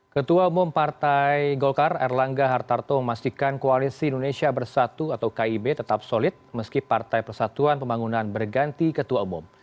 ketua umum partai golkar erlangga hartarto memastikan koalisi indonesia bersatu atau kib tetap solid meski partai persatuan pembangunan berganti ketua umum